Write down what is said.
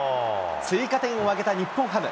追加点を挙げた日本ハム。